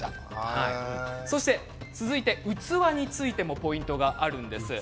そして続いて器についてもポイントがあるんです。